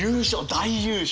大優勝。